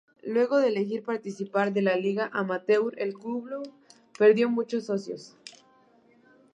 Luego de elegir participar de la liga amateur, el club perdió muchos socios.